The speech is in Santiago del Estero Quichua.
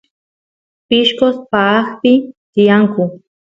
pishqos paaqpi tiyanku